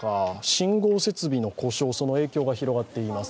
信号設備の故障、その影響が広がっています。